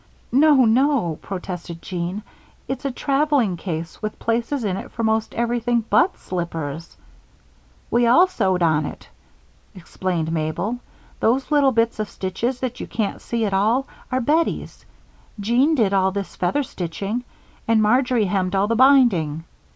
"No, no," protested Jean. "It's a traveling case with places in it for 'most everything but slippers." "We all sewed on it," explained Mabel. "Those little bits of stitches that you can't see at all are Bettie's. Jean did all this feather stitching, and Marjory hemmed all the binding.